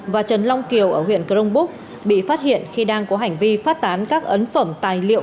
và trần long kiều ở huyện crong búc bị phát hiện khi đang có hành vi phát tán các ấn phẩm tài liệu